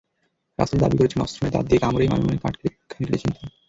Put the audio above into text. রাসেল দাবি করেছেন, অস্ত্র নয়, দাঁত দিয়ে কামড়েই মামুনের কান কেটেছেন তিনি।